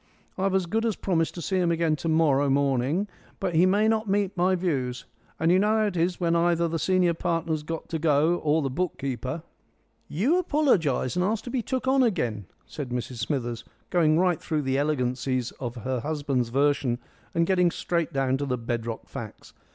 I've as good as promised to see him again to morrow morning, but he may not meet my views. And you know how it is when either the senior partner's got to go or the book keeper." "You apologise and ask to be took on again," said Mrs Smithers, going right through the elegancies of her husband's version and getting straight down to the bedrock facts.